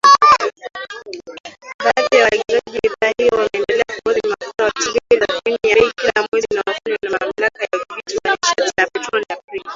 Baadhi ya waagizaji bidhaa hiyo wameendelea kuhodhi mafuta wakisubiri tathmini ya bei kila mwezi inayofanywa na Mamlaka ya Udhibiti wa Nishati na Petroli Aprili